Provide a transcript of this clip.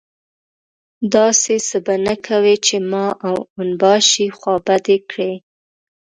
داسې څه به نه کوې چې ما او اون باشي خوابدي کړي.